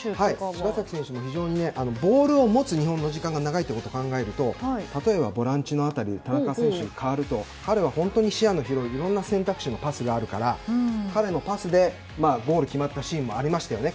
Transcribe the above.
柴崎選手も非常に日本がボールを持つ時間が長いということを考えると例えば、ボランチの辺りで田中選手に代わると彼は本当に視野の広いいろんな選択肢のパスがあるから、彼のパスでゴールが決まったシーンもありましたね。